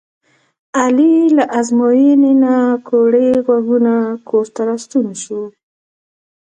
علي له ازموینې نه کوړی غوږونه کورته راستون شو.